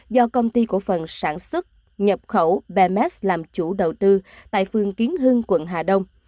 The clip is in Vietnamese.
do công ty cổ phần sản xuất nhập khẩu bms làm chủ đầu tư tại phương kiến hưng quận hà đông